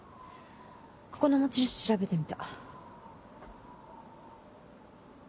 ここの持ち主調べてみた。